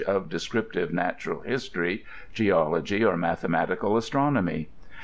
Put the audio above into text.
47 descriptive natural history, geology, or mathematical astron omy ?